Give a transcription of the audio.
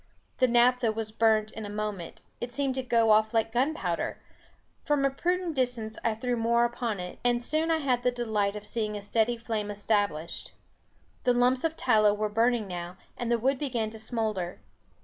The naphtha was burnt in a moment, it seemed to go off like gunpowder; from a prudent distance I threw more upon it, and soon I had the delight of seeing a steady flame established. The lumps of tallow were burning now, and the wood began to smoulder.